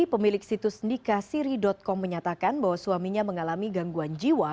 pemilik situs nikahsiri com menyatakan bahwa suaminya mengalami gangguan jiwa